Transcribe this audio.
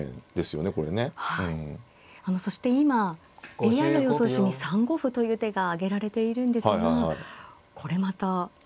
そして今ＡＩの予想手に３五歩という手が挙げられているんですがこれまた。